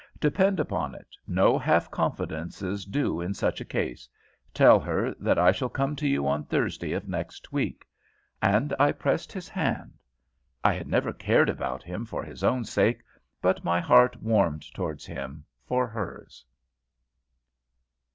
"Depend upon it, no half confidences do in such a case. Tell her that I shall come to you on Thursday of next week;" and I pressed his hand. I had never cared about him for his own sake, but my heart warmed towards him for hers.